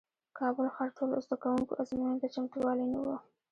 کابل ښار ټولو زدکوونکو ازموینې ته چمتووالی نیوه